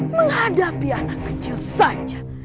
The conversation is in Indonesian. menghadapi anak kecil saja